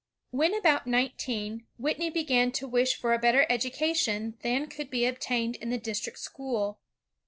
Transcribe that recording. When about nineteen, Whitney began to wish for a better education than could be obtained in the district school.